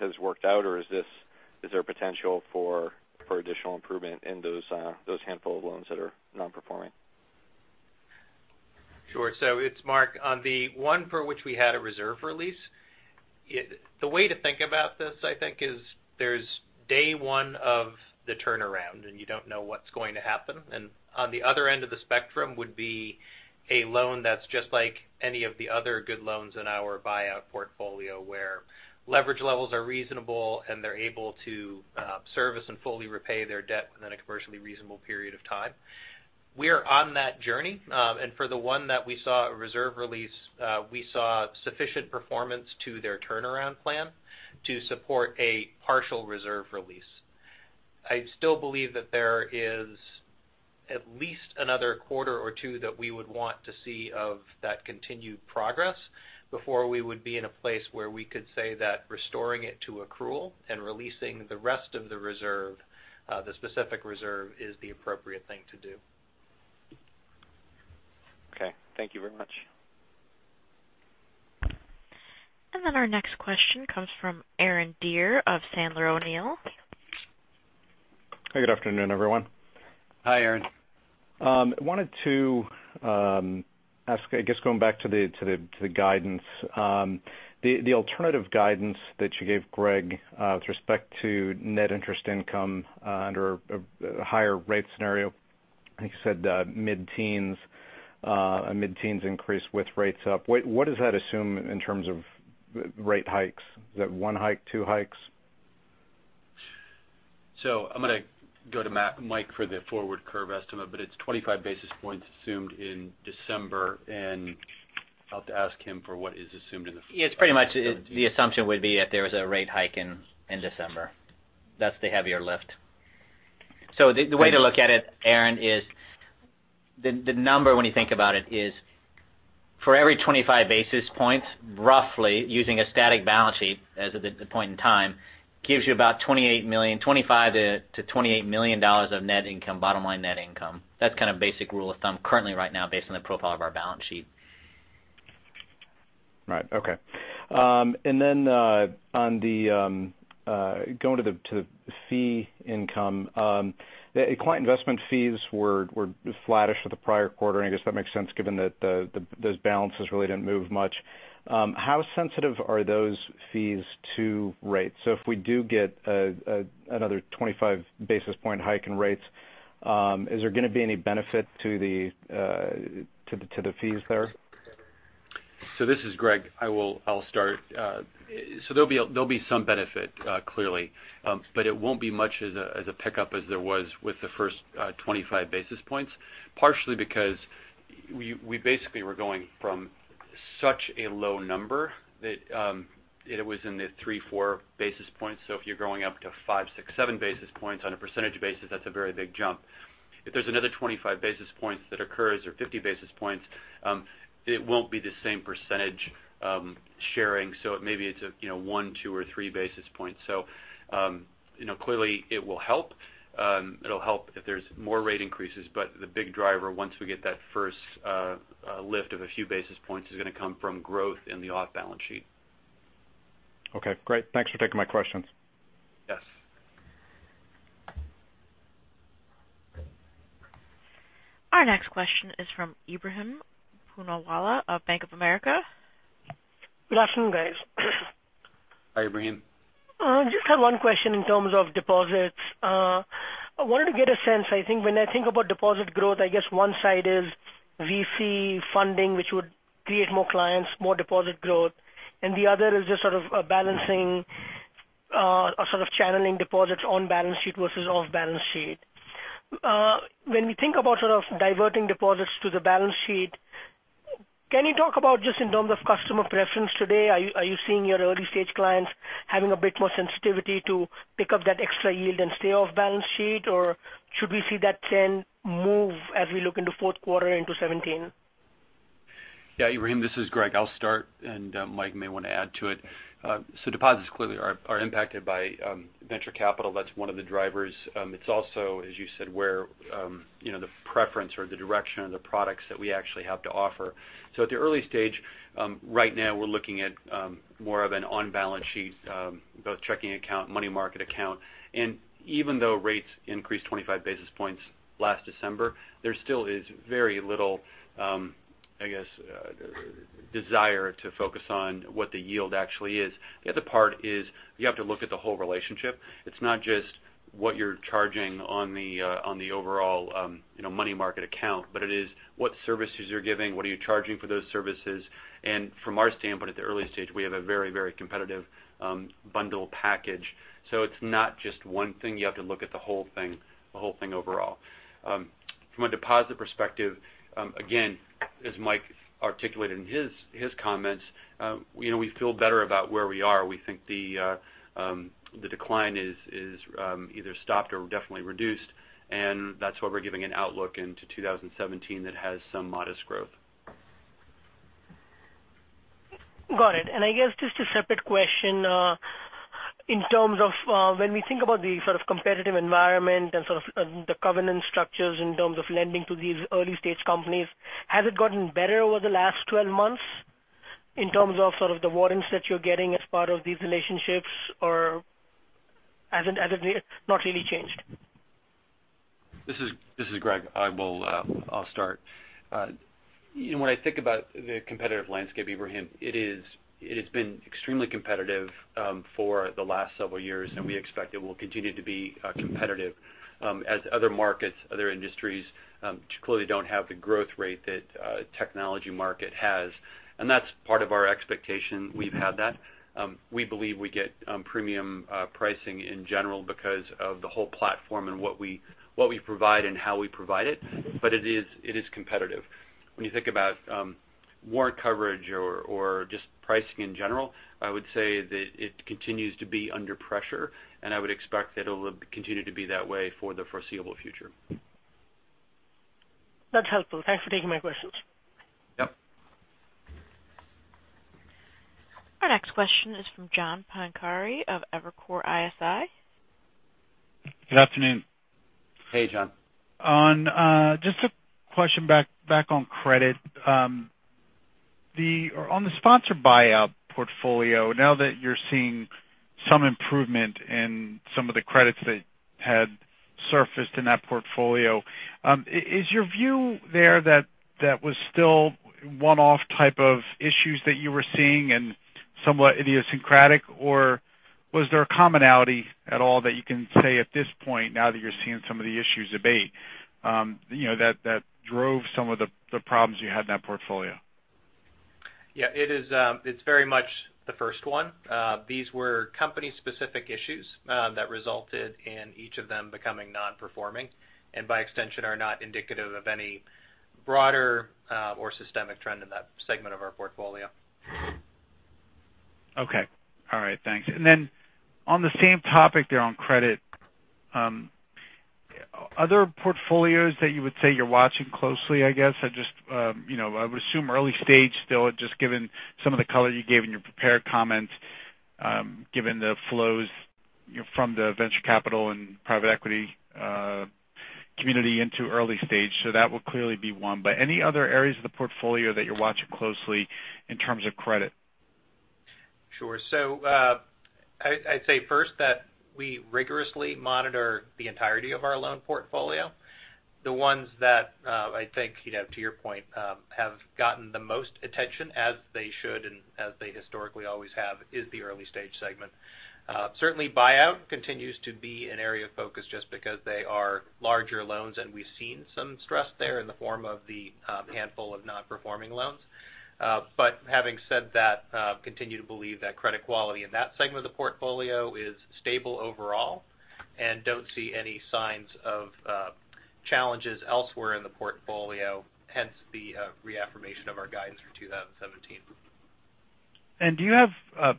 has worked out, or is there potential for additional improvement in those handful of loans that are non-performing? Sure. It's Marc. On the one for which we had a reserve release, the way to think about this, I think is there's day one of the turnaround, and you don't know what's going to happen. On the other end of the spectrum would be a loan that's just like any of the other good loans in our buyout portfolio, where leverage levels are reasonable, and they're able to service and fully repay their debt within a commercially reasonable period of time. We are on that journey. For the one that we saw a reserve release, we saw sufficient performance to their turnaround plan to support a partial reserve release. I still believe that there is at least another quarter or two that we would want to see of that continued progress before we would be in a place where we could say that restoring it to accrual and releasing the rest of the reserve, the specific reserve, is the appropriate thing to do. Okay. Thank you very much. Our next question comes from Aaron Deer of Sandler O'Neill. Hi, good afternoon, everyone. Hi, Aaron. I wanted to ask, I guess going back to the guidance, the alternative guidance that you gave Greg with respect to net interest income under a higher rate scenario. I think you said mid-teens increase with rates up. What does that assume in terms of rate hikes? Is that one hike, two hikes? I'm going to go to Mike for the forward curve estimate, but it's 25 basis points assumed in December, and I'll have to ask him for what is assumed. Yes, pretty much the assumption would be that there was a rate hike in December. That's the heavier lift. The way to look at it, Aaron, is the number when you think about it, is for every 25 basis points, roughly, using a static balance sheet as of the point in time, gives you about $25 million-$28 million of net income, bottom line net income. That's kind of basic rule of thumb currently right now based on the profile of our balance sheet. Right. Okay. Going to the fee income. Client investment fees were flattish with the prior quarter, and I guess that makes sense given that those balances really didn't move much. How sensitive are those fees to rates? If we do get another 25 basis point hike in rates, is there going to be any benefit to the fees there? This is Greg. I'll start. There'll be some benefit, clearly. It won't be much as a pickup as there was with the first 25 basis points. Partially because we basically were going from such a low number that it was in the three, four basis points. If you're going up to five, six, seven basis points on a percentage basis, that's a very big jump. If there's another 25 basis points that occurs or 50 basis points, it won't be the same percentage sharing. Maybe it's a one, two, or three basis point. Clearly it will help. It'll help if there's more rate increases, but the big driver, once we get that first lift of a few basis points, is going to come from growth in the off-balance sheet. Okay, great. Thanks for taking my questions. Yes. Our next question is from Ebrahim Poonawala of Bank of America. Good afternoon, guys. Hi, Ebrahim. Just have one question in terms of deposits. I wanted to get a sense, I think when I think about deposit growth, I guess one side is VC funding, which would create more clients, more deposit growth, and the other is just sort of a balancing, a sort of channeling deposits on balance sheet versus off balance sheet. When we think about sort of diverting deposits to the balance sheet, can you talk about just in terms of customer preference today? Are you seeing your early-stage clients having a bit more sensitivity to pick up that extra yield and stay off balance sheet? Should we see that trend move as we look into fourth quarter into 2017? Ebrahim, this is Greg. I'll start, and Mike may want to add to it. Deposits clearly are impacted by venture capital. That's one of the drivers. It's also, as you said, where the preference or the direction of the products that we actually have to offer. At the early stage, right now we're looking at more of an on-balance sheet, both checking account, money market account. Even though rates increased 25 basis points last December, there still is very little, I guess, desire to focus on what the yield actually is. The other part is you have to look at the whole relationship. It's not just what you're charging on the overall money market account, but it is what services you're giving, what are you charging for those services? And from our standpoint, at the early stage, we have a very competitive bundle package. It's not just one thing. You have to look at the whole thing overall. From a deposit perspective, again, as Mike articulated in his comments, we feel better about where we are. We think the decline is either stopped or definitely reduced, and that's why we're giving an outlook into 2017 that has some modest growth. Got it. I guess just a separate question, in terms of when we think about the sort of competitive environment and sort of the covenant structures in terms of lending to these early-stage companies, has it gotten better over the last 12 months in terms of sort of the warrants that you're getting as part of these relationships or has it not really changed? This is Greg. I'll start. When I think about the competitive landscape, Ebrahim, it has been extremely competitive for the last several years. We expect it will continue to be competitive as other markets, other industries which clearly don't have the growth rate that technology market has. That's part of our expectation. We've had that. We believe we get premium pricing in general because of the whole platform and what we provide and how we provide it. It is competitive. When you think about warrant coverage or just pricing in general, I would say that it continues to be under pressure, and I would expect that it'll continue to be that way for the foreseeable future. That's helpful. Thanks for taking my questions. Yep. Our next question is from John Pancari of Evercore ISI. Good afternoon. Hey, John. Just a question back on credit. On the sponsored buyout portfolio, now that you're seeing some improvement in some of the credits that had surfaced in that portfolio, is your view there that was still one-off type of issues that you were seeing and somewhat idiosyncratic, or was there a commonality at all that you can say at this point now that you're seeing some of the issues abate, that drove some of the problems you had in that portfolio? Yeah, it's very much the first one. These were company specific issues that resulted in each of them becoming non-performing, and by extension, are not indicative of any broader or systemic trend in that segment of our portfolio. Okay. All right, thanks. On the same topic there on credit, other portfolios that you would say you're watching closely, I guess. I would assume early stage still, just given some of the color you gave in your prepared comments, given the flows from the venture capital and private equity community into early stage, so that would clearly be one. Any other areas of the portfolio that you're watching closely in terms of credit? Sure. I'd say first that we rigorously monitor the entirety of our loan portfolio. The ones that I think, to your point, have gotten the most attention, as they should and as they historically always have, is the early stage segment. Certainly buyout continues to be an area of focus just because they are larger loans and we've seen some stress there in the form of the handful of non-performing loans. Having said that, continue to believe that credit quality in that segment of the portfolio is stable overall and don't see any signs of challenges elsewhere in the portfolio, hence the reaffirmation of our guidance for 2017. Do you have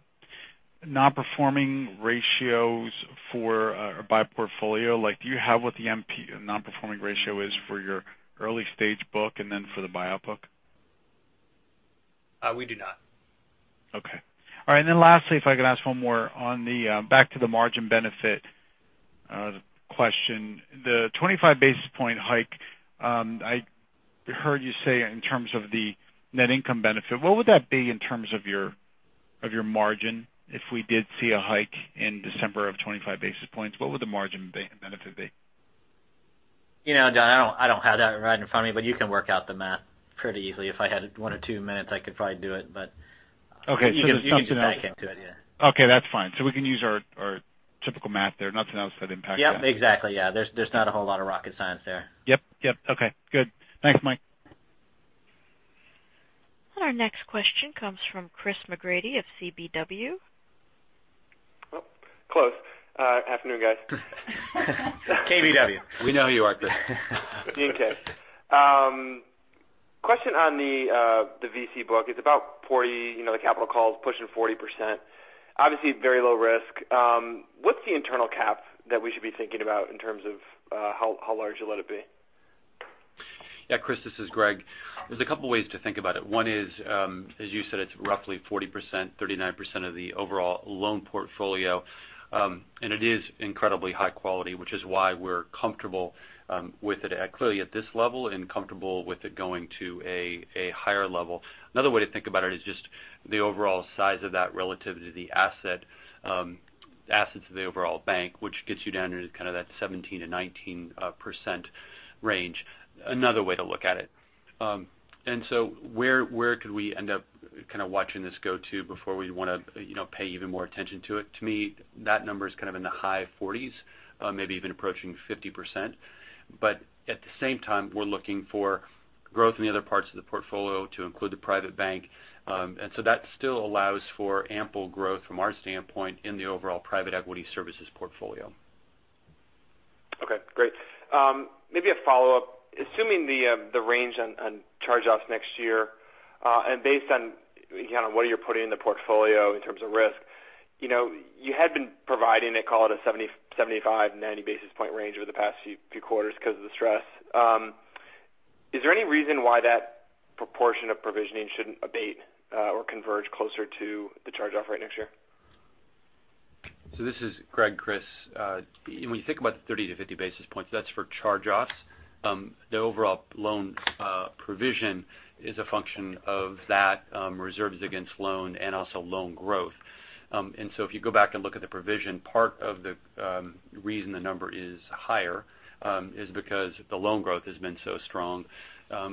non-performing ratios for a buyout portfolio? Do you have what the NPL non-performing ratio is for your early stage book and then for the buyout book? We do not. Okay. All right, lastly, if I could ask one more on the back to the margin benefit question. The 25 basis point hike, I heard you say in terms of the net income benefit. What would that be in terms of your margin if we did see a hike in December of 25 basis points? What would the margin benefit be? John, I don't have that right in front of me, but you can work out the math pretty easily. If I had one or two minutes, I could probably do it. Okay. You can get something back into it, yeah. Okay, that's fine. We can use our typical math there. Nothing else that impacts that. Yep, exactly. Yeah. There's not a whole lot of rocket science there. Yep. Okay, good. Thanks, Mike. Our next question comes from Chris McGratty of KBW. Oh, close. Afternoon, guys. KBW. We know you aren't there. In any case. Question on the VC book. It's about the capital call is pushing 40%. Obviously very low risk. What's the internal cap that we should be thinking about in terms of how large you'll let it be? Yeah, Chris, this is Greg Becker. There's a couple ways to think about it. One is, as you said, it's roughly 40%, 39% of the overall loan portfolio. It is incredibly high quality, which is why we're comfortable with it clearly at this level and comfortable with it going to a higher level. Another way to think about it is just the overall size of that relative to the assets of the overall bank, which gets you down into kind of that 17%-19% range. Another way to look at it. Where could we end up kind of watching this go to before we want to pay even more attention to it? To me, that number is kind of in the high 40s, maybe even approaching 50%. At the same time, we're looking for growth in the other parts of the portfolio to include the private bank. That still allows for ample growth from our standpoint in the overall private equity services portfolio. Okay, great. Maybe a follow-up. Assuming the range on charge-offs next year, and based on kind of what you're putting in the portfolio in terms of risk, you had been providing, let's call it a 75-90 basis point range over the past few quarters because of the stress. Is there any reason why that proportion of provisioning shouldn't abate or converge closer to the charge-off rate next year? This is Greg Becker, Chris. When you think about the 30-50 basis points, that's for charge-offs. The overall loan provision is a function of that reserves against loan and also loan growth. If you go back and look at the provision, part of the reason the number is higher is because the loan growth has been so strong. I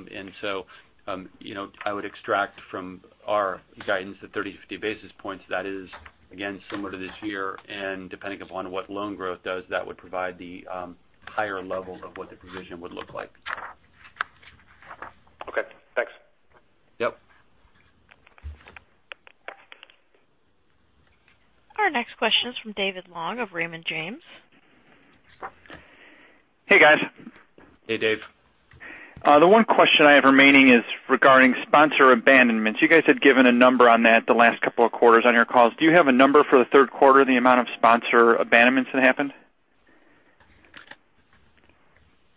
would extract from our guidance the 30-50 basis points. That is, again, similar to this year, and depending upon what loan growth does, that would provide the higher levels of what the provision would look like. Okay, thanks. Yep. Our next question is from David Long of Raymond James. Hey, guys. Hey, Dave. The one question I have remaining is regarding sponsor abandonments. You guys had given a number on that the last couple of quarters on your calls. Do you have a number for the third quarter, the amount of sponsor abandonments that happened?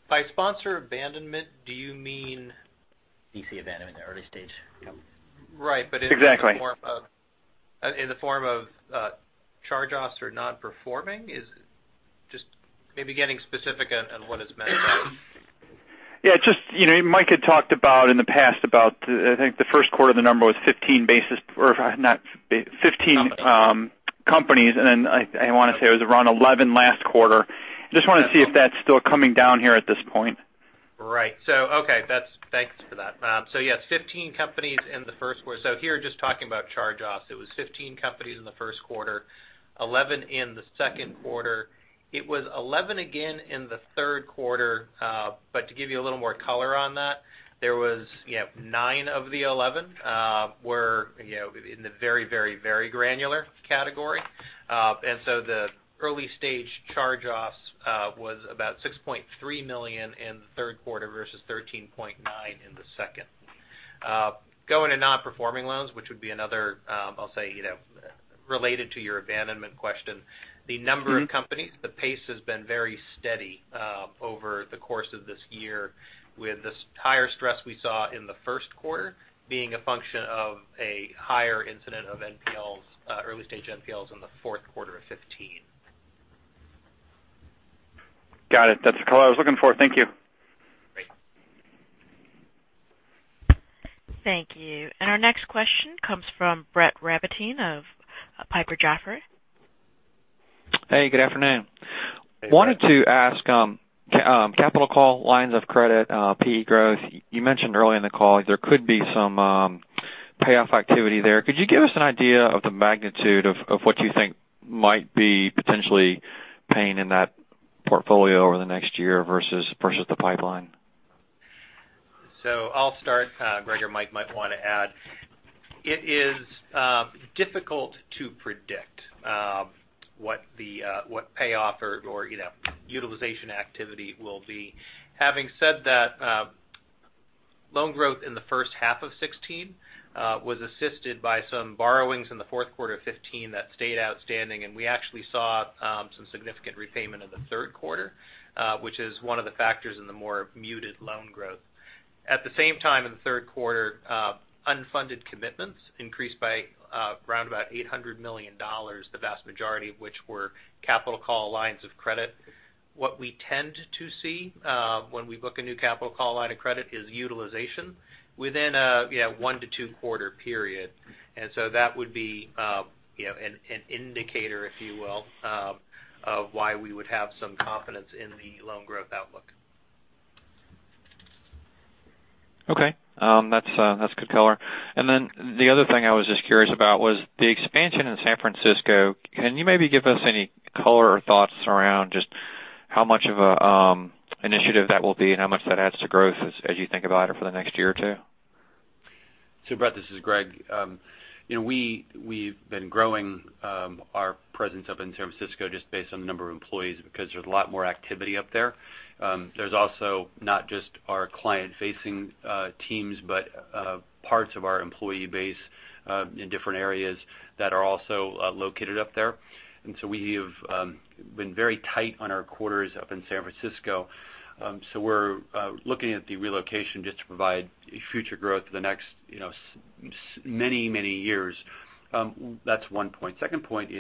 By sponsor abandonment, do you mean EC abandonment, the early stage. Right. Exactly. In the form of charge-offs or non-performing? Just maybe getting specific on what is meant by that. Yeah. Mike had talked about in the past about, I think the first quarter of the number was 15 basis-- or not 15- Companies. -companies. I want to say it was around 11 last quarter. Just wanted to see if that's still coming down here at this point. Right. Okay. Thanks for that. Yes, 15 companies in the first quarter. If you're just talking about charge-offs, it was 15 companies in the first quarter, 11 in the second quarter. It was 11 again in the third quarter. To give you a little more color on that, there was nine of the 11 were in the very granular category. The early stage charge-offs was about $6.3 million in the third quarter versus $13.9 million in the second. Going to non-performing loans, which would be another, I'll say, related to your abandonment question. The number of companies, the pace has been very steady over the course of this year, with this higher stress we saw in the first quarter being a function of a higher incident of NPLs, early stage NPLs in the fourth quarter of 2015. Got it. That's the color I was looking for. Thank you. Great. Thank you. Our next question comes from Brett Rabatin of Piper Jaffray. Hey, good afternoon. Hey. Wanted to ask, capital call lines of credit, PE growth. You mentioned earlier in the call there could be some payoff activity there. Could you give us an idea of the magnitude of what you think might be potentially paying in that portfolio over the next year versus the pipeline? I'll start. Greg or Mike might want to add. It is difficult to predict what payoff or utilization activity will be. Having said that, loan growth in the first half of 2016 was assisted by some borrowings in the fourth quarter of 2015 that stayed outstanding, and we actually saw some significant repayment in the third quarter, which is one of the factors in the more muted loan growth. At the same time, in the third quarter, unfunded commitments increased by around about $800 million, the vast majority of which were capital call lines of credit. What we tend to see when we book a new capital call line of credit is utilization within a one to two-quarter period. That would be an indicator, if you will, of why we would have some confidence in the loan growth outlook. Okay. That's good color. The other thing I was just curious about was the expansion in San Francisco. Can you maybe give us any color or thoughts around just how much of an initiative that will be and how much that adds to growth as you think about it for the next year or two? Brett, this is Greg. We've been growing our presence up in San Francisco just based on the number of employees, because there's a lot more activity up there. There's also not just our client-facing teams, but parts of our employee base in different areas that are also located up there. We have been very tight on our quarters up in San Francisco. We're looking at the relocation just to provide future growth for the next many years. That's one point. Second point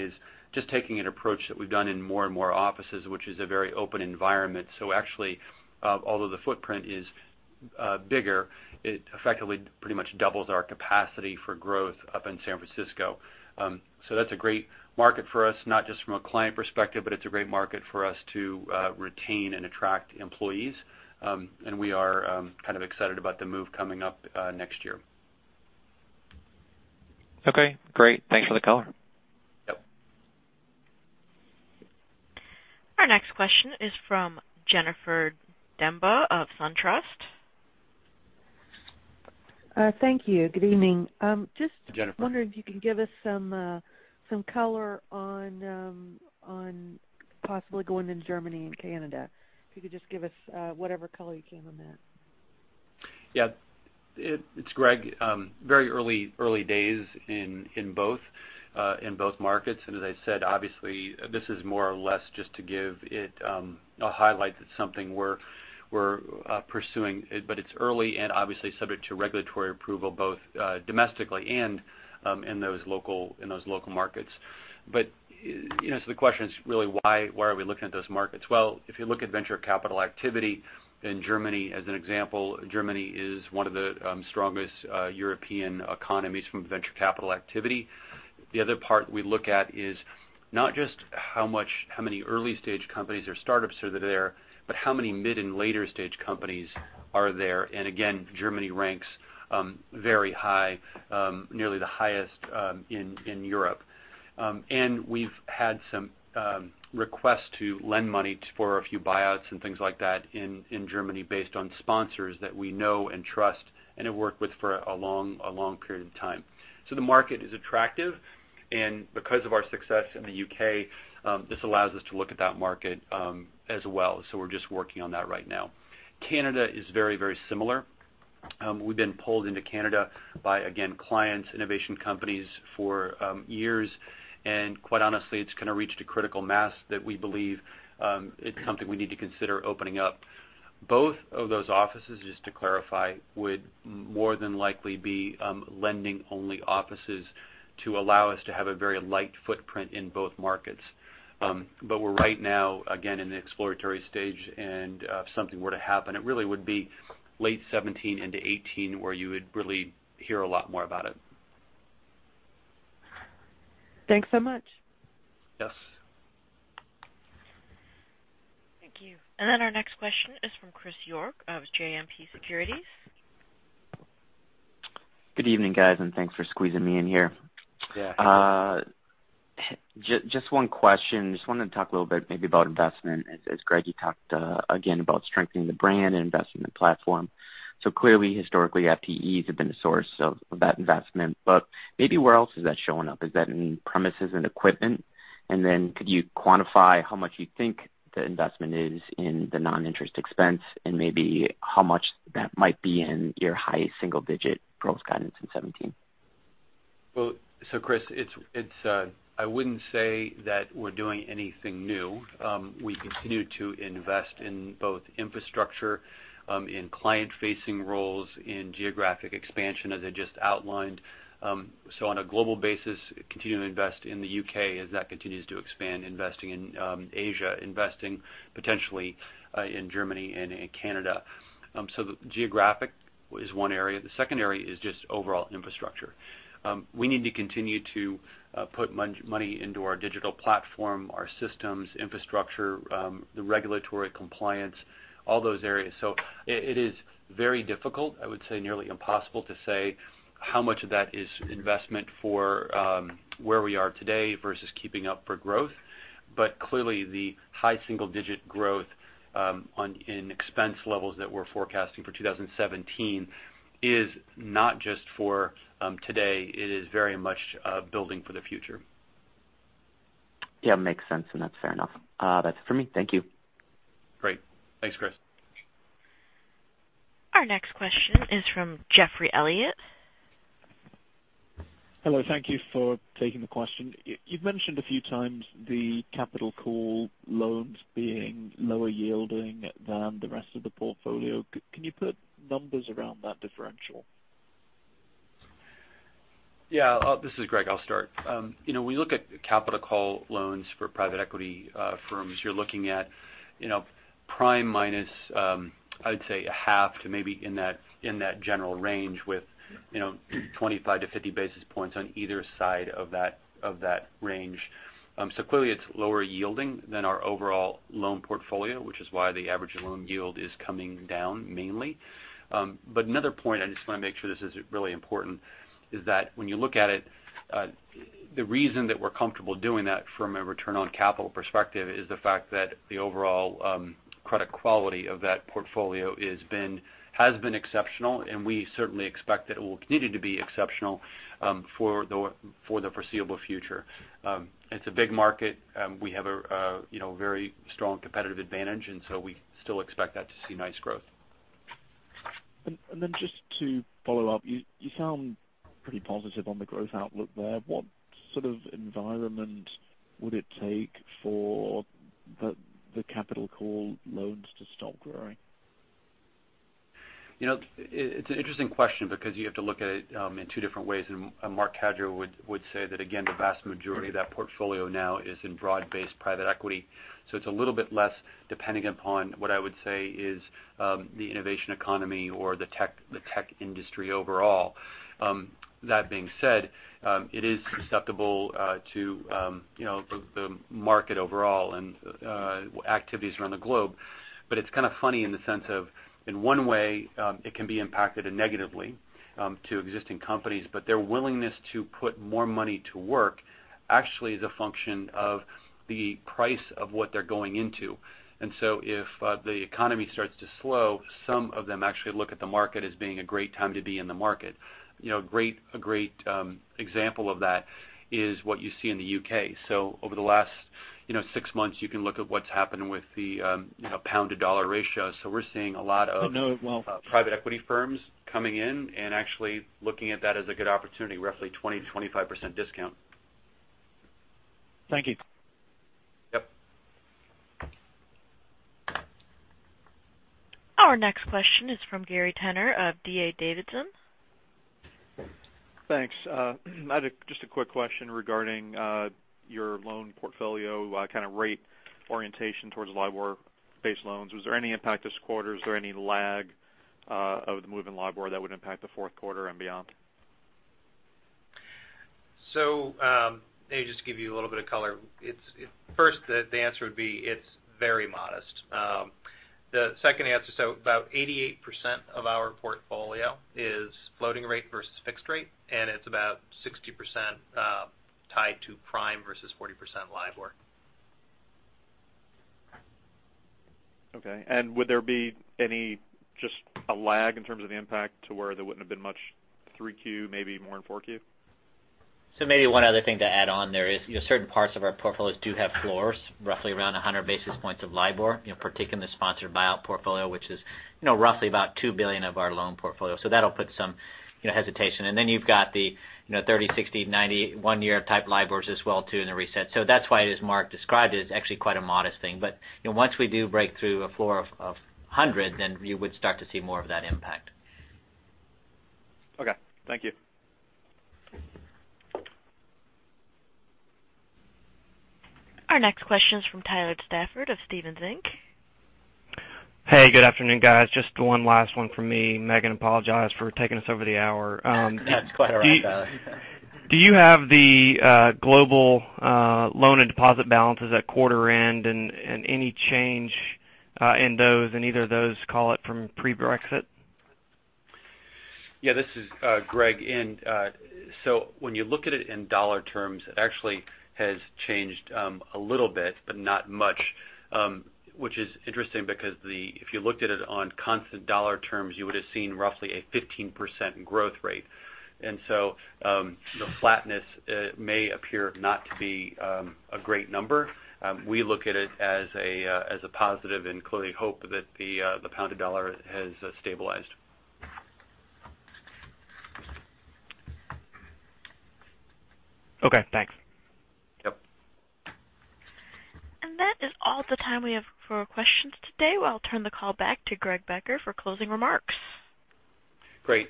is just taking an approach that we've done in more and more offices, which is a very open environment. Actually, although the footprint is bigger, it effectively pretty much doubles our capacity for growth up in San Francisco. That's a great market for us, not just from a client perspective, but it's a great market for us to retain and attract employees. We are kind of excited about the move coming up next year. Okay, great. Thanks for the color. Yep. Our next question is from Jennifer Demba of SunTrust. Thank you. Good evening. Jennifer. Just wondering if you can give us some color on possibly going into Germany and Canada. If you could just give us whatever color you can on that. Yeah. It's Greg. Very early days in both markets. As I said, obviously, this is more or less just to give it a highlight that something we're pursuing. It's early and obviously subject to regulatory approval both domestically and in those local markets. The question is really why are we looking at those markets? If you look at venture capital activity in Germany as an example, Germany is one of the strongest European economies from venture capital activity. The other part we look at is not just how many early-stage companies or startups are there, but how many mid and later-stage companies are there. Again, Germany ranks very high, nearly the highest in Europe. We've Had some requests to lend money for a few buyouts and things like that in Germany based on sponsors that we know and trust and have worked with for a long period of time. The market is attractive, and because of our success in the U.K., this allows us to look at that market as well. We're just working on that right now. Canada is very similar. We've been pulled into Canada by, again, clients, innovation companies, for years. Quite honestly, it's kind of reached a critical mass that we believe it's something we need to consider opening up. Both of those offices, just to clarify, would more than likely be lending-only offices to allow us to have a very light footprint in both markets. We're right now, again, in the exploratory stage, and if something were to happen, it really would be late 2017 into 2018 where you would really hear a lot more about it. Thanks so much. Yes. Thank you. Our next question is from Chris York of JMP Securities. Good evening, guys, and thanks for squeezing me in here. Yeah. Just one question. Wanted to talk a little bit maybe about investment, as Greg, you talked again about strengthening the brand and investing in the platform. Clearly, historically, FTEs have been a source of that investment. Maybe where else is that showing up? Is that in premises and equipment? Could you quantify how much you think the investment is in the non-interest expense, and maybe how much that might be in your high single-digit growth guidance in 2017? Chris, I wouldn't say that we're doing anything new. We continue to invest in both infrastructure, in client-facing roles, in geographic expansion, as I just outlined. On a global basis, continue to invest in the U.K. as that continues to expand, investing in Asia, investing potentially in Germany and in Canada. The geographic is one area. The second area is just overall infrastructure. We need to continue to put money into our digital platform, our systems, infrastructure, the regulatory compliance, all those areas. It is very difficult, I would say nearly impossible, to say how much of that is investment for where we are today versus keeping up for growth. Clearly, the high single-digit growth in expense levels that we're forecasting for 2017 is not just for today. It is very much building for the future. Makes sense, and that's fair enough. That's it for me. Thank you. Great. Thanks, Chris. Our next question is from Jeffrey Elliot. Hello. Thank you for taking the question. You've mentioned a few times the capital call loans being lower yielding than the rest of the portfolio. Can you put numbers around that differential? Yeah. This is Greg. I'll start. When you look at capital call loans for private equity firms, you're looking at prime minus, I'd say, a half to maybe in that general range with 25 to 50 basis points on either side of that range. Clearly, it's lower yielding than our overall loan portfolio, which is why the average loan yield is coming down mainly. Another point, I just want to make sure this is really important, is that when you look at it, the reason that we're comfortable doing that from a return on capital perspective is the fact that the overall credit quality of that portfolio has been exceptional, and we certainly expect that it will continue to be exceptional for the foreseeable future. It's a big market. We have a very strong competitive advantage, we still expect that to see nice growth. Just to follow up, you sound pretty positive on the growth outlook there. What sort of environment would it take for the capital call loans to stop growing? It's an interesting question because you have to look at it in two different ways. Mark Cadieux would say that, again, the vast majority of that portfolio now is in broad-based private equity. It's a little bit less depending upon what I would say is the innovation economy or the tech industry overall. That being said, it is susceptible to the market overall and activities around the globe. It's kind of funny in the sense of, in one way, it can be impacted negatively to existing companies, but their willingness to put more money to work actually is a function of the price of what they're going into. If the economy starts to slow, some of them actually look at the market as being a great time to be in the market. A great example of that is what you see in the U.K. Over the last six months, you can look at what's happened with the pound to dollar ratio. We're seeing a lot of- I know it well private equity firms coming in and actually looking at that as a good opportunity, roughly 20%-25% discount. Thank you. Yep. Our next question is from Gary Tenner of D.A. Davidson. Thanks. I had just a quick question regarding your loan portfolio kind of rate orientation towards LIBOR-based loans. Was there any impact this quarter? Is there any lag of the move in LIBOR that would impact the fourth quarter and beyond? Let me just give you a little bit of color. First, the answer would be it's very modest. The second answer, about 88% of our portfolio is floating rate versus fixed rate, and it's about 60% tied to prime versus 40% LIBOR. Okay. Would there be just a lag in terms of the impact to where there wouldn't have been much 3Q, maybe more in 4Q? Maybe one other thing to add on there is certain parts of our portfolios do have floors, roughly around 100 basis points of LIBOR, particularly sponsored buyout portfolio, which is roughly about $2 billion of our loan portfolio. That'll put some hesitation. Then you've got the 30, 60, 90, 1-year type LIBORs as well too, in the reset. That's why, as Mark described it's actually quite a modest thing. Once we do break through a floor of 100, then you would start to see more of that impact. Okay. Thank you. Our next question is from Tyler Stafford of Stephens Inc. Hey, good afternoon, guys. Just one last one from me. Meghan apologized for taking us over the hour. No, it's quite all right, Tyler. Do you have the global loan and deposit balances at quarter end, and any change in those, in either of those, call it from pre-Brexit? Yeah, this is Greg. When you look at it in dollar terms, it actually has changed a little bit, but not much. Which is interesting because if you looked at it on constant dollar terms, you would've seen roughly a 15% growth rate. The flatness may appear not to be a great number. We look at it as a positive and clearly hope that the pound to dollar has stabilized. Okay, thanks. Yep. That is all the time we have for questions today. I'll turn the call back to Greg Becker for closing remarks. Great.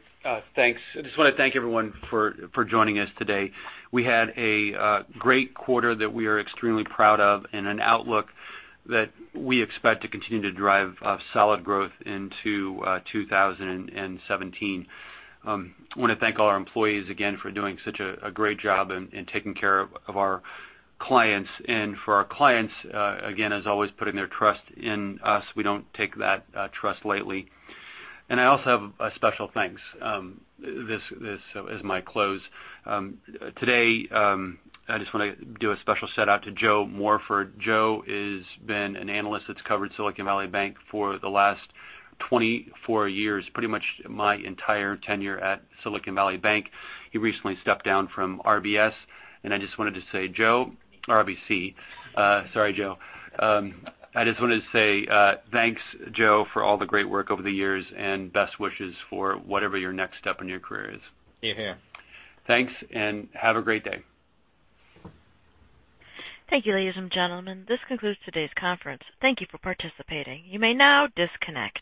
Thanks. I just want to thank everyone for joining us today. We had a great quarter that we are extremely proud of and an outlook that we expect to continue to drive solid growth into 2017. I want to thank all our employees again for doing such a great job and taking care of our clients. For our clients, again, as always, putting their trust in us. We don't take that trust lightly. I also have a special thanks. This is my close. Today, I just want to do a special shout-out to Joe Morford. Joe has been an analyst that's covered Silicon Valley Bank for the last 24 years, pretty much my entire tenure at Silicon Valley Bank. He recently stepped down from RBC. Sorry, Joe. I just wanted to say thanks, Joe, for all the great work over the years, and best wishes for whatever your next step in your career is. Hear, hear. Thanks. Have a great day. Thank you, ladies and gentlemen. This concludes today's conference. Thank you for participating. You may now disconnect.